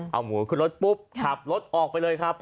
เอาหมูขึ้นรถปุ๊บขับรถออกไปเลยครับ